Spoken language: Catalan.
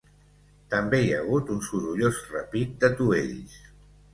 També hi ha hagut un sorollós repic d’atuells.